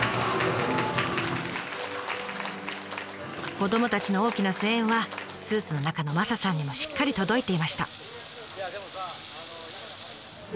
子どもたちの大きな声援はスーツの中のマサさんにもしっかり届いていました。